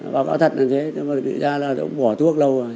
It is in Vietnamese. báo cáo thật là thế nhưng mà thực ra là cũng bỏ thuốc lâu rồi